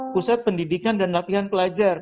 pusat pendidikan dan latihan pelajar